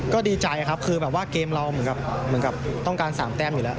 ก็ดีใจครับคือแบบว่าเกมเราเหมือนกับต้องการ๓แต้มอยู่แล้ว